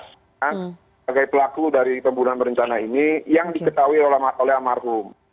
sebagai pelaku dari pembunuhan berencana ini yang diketahui oleh almarhum